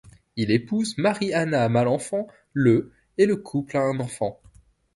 Il épouse Marie-Anna Malenfant le et le couple a un enfant.